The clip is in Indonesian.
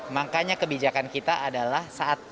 makanya kebijakan kita adalah